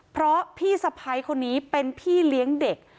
เพราะพี่สะพ้ายคนนี้เป็นพี่เลี้ยงเด็ก